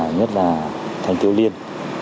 nhất là thanh tiêu liên